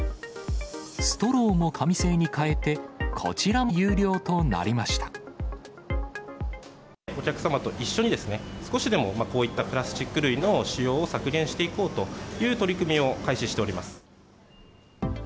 ストローも紙製に変えて、お客様と一緒に、少しでもこういったプラスチック類の使用を削減していこうという取り組みを開始しております。